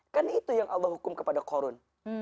kan itu yang allah hukum kepada korun